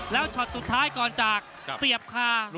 แล้วช็อตสุดท้ายก่อนจากเสียบคา